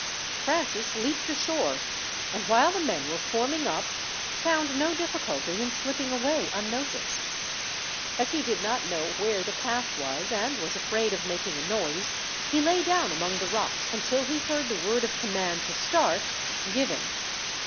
Francis leaped ashore, and while the men were forming up, found no difficulty in slipping away unnoticed. As he did not know where the path was, and was afraid of making a noise, he lay down among the rocks until he heard the word of command to start given.